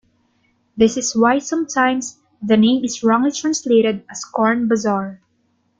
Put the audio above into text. This is why sometimes the name is wrongly translated as "Corn Bazaar".